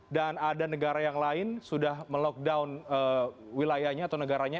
dan ada negara yang lain sudah melockdown wilayahnya atau negaranya